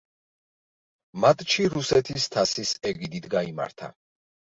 მატჩი რუსეთის თასის ეგიდით გაიმართა.